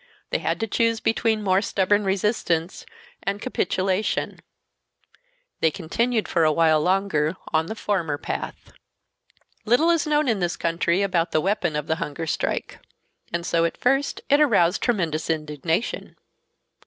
They had to choose between more stubborn resistance and capitulation: They continued for a while longer on the former path. Little is known in this country about the weapon of the hunger strike. And so at first it aroused tremendous indignation.